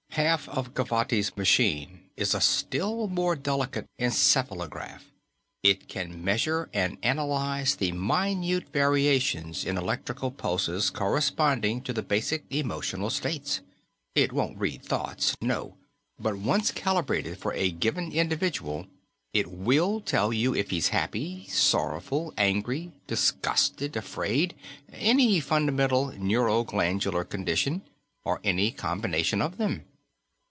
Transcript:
Half of Gavotti's machine is a still more delicate encephalograph. It can measure and analyze the minute variations in electrical pulses corresponding to the basic emotional states. It won't read thoughts, no; but once calibrated for a given individual, it will tell you if he's happy, sorrowful, angry, disgusted, afraid any fundamental neuro glandular condition, or any combination of them."